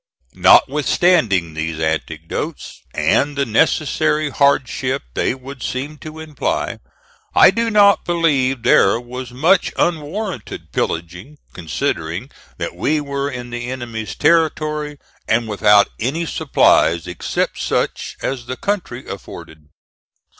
Notwithstanding these anecdotes, and the necessary hardship they would seem to imply, I do not believe there was much unwarrantable pillaging considering that we were in the enemy's territory and without any supplies except such as the country afforded.